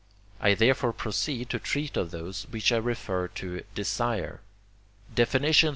I therefore proceed to treat of those which I refer to desire. XXXII.